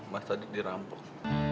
mas tadi dirampok